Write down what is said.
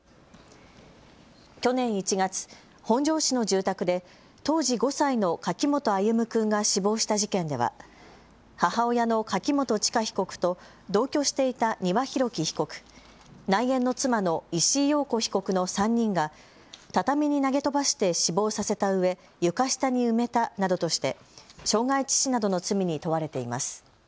去年１月、本庄市の住宅で当時５歳の柿本歩夢君が死亡した事件では母親の柿本知香被告と同居していた丹羽洋樹被告、内縁の妻の石井陽子被告の３人が畳に投げ飛ばして死亡させたうえ床下に埋めたなどとして傷害致死などの罪に問われています。